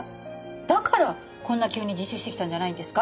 だからこんな急に自首してきたんじゃないんですか？